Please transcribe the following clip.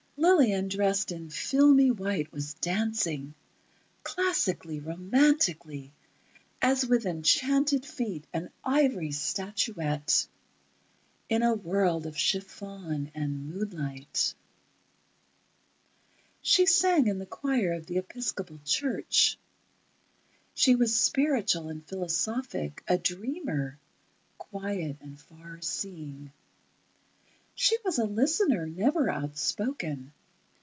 Lillian dressed in filmy white was dancing ... classically, romantically, as with enchanted feet, an ivory statuette, in a world of chiffon and moonlight. She sang in the choir of the Episcopal Church. She was spiritual and philosophic, a dreamer, quiet and far seeing. She was a listener, never outspoken.